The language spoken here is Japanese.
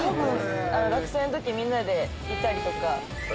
学生の時みんなで行ったりとか。